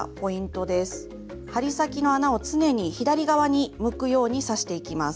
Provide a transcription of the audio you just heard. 針先の穴を常に左側に向くように刺していきます。